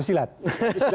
mas sandi memang jago silat